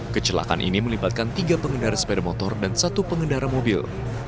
kecelakaan ini melibatkan tiga pengendara sepeda motor dan satu pengendara mobil